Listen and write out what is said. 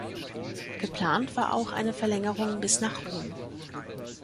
Geplant war auch eine Verlängerung bis nach Rom.